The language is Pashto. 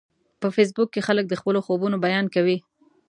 په فېسبوک کې خلک د خپلو خوبونو بیان کوي